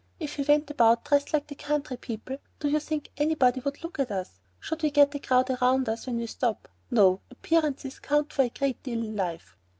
If we went about dressed like the country people, do you think anybody would look at us? Should we get a crowd around us when we stop? No! Appearances count for a great deal in life."